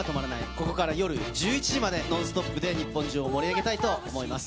ここからは夜１１時まで、ノンストップで日本中を盛り上げたいと思います。